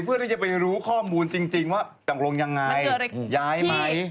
เพื่อที่จะไปรู้ข้อมูลจริงว่าตกลงยังไงย้ายไหม